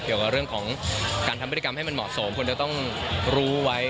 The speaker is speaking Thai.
เกี่ยวกับเรื่องของการทำพฤติกรรมให้มันเหมาะสมควรจะต้องรู้ไว้